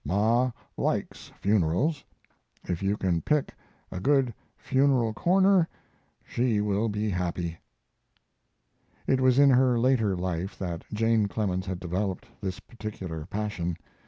Ma likes funerals. If you can pick a good funeral corner she will be happy." It was in her later life that Jane Clemens had developed this particular passion.